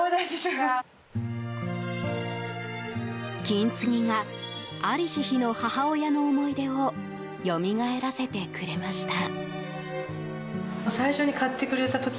金継ぎが在りし日の母親の思い出をよみがえらせてくれました。